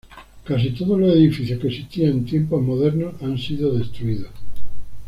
Casi todos los edificios que existían en Tiempos Modernos han sido destruidos.